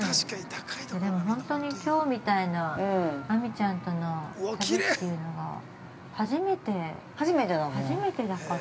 でもほんとに、きょうみたいな亜美ちゃんとの旅っていうのが初めてだから。